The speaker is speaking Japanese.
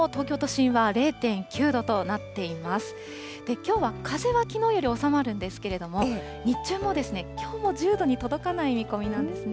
きょうは風はきのうより収まるんですけれども、日中も、きょうも１０度に届かない見込みなんですね。